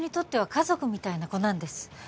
家族みたいな子なんです